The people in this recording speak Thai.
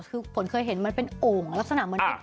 คือฝนเคยเห็นมันเป็นโอ่งลักษณะเหมือนเป็น